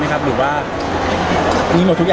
ไม่อยากได้อะไรเลย